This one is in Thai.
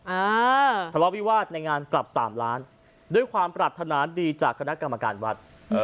อ่าทะเลาะวิวาสในงานกลับสามล้านด้วยความปรารถนาดีจากคณะกรรมการวัดเออ